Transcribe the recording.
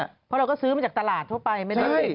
เพราะเราก็ซื้อมาจากตลาดทั่วไปไม่ได้